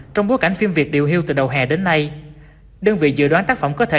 trong bối cảnh phim việt điều hưu từ đầu hè đến nay đơn vị dự đoán tác phẩm có thể